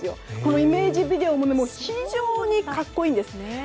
イメージビデオも非常に格好いいんですね。